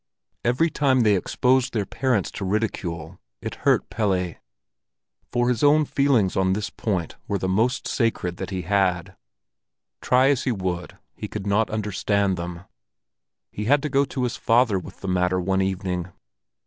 Every time they exposed their parents to ridicule, it hurt Pelle, for his own feelings on this point were the most sacred that he had. Try as he would, he could not understand them; he had to go to his father with the matter one evening.